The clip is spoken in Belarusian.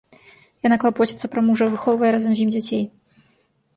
Яна клапоціцца пра мужа, выхоўвае разам з ім дзяцей.